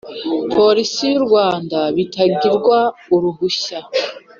Polisi y u Rwanda bitangirwa uruhushya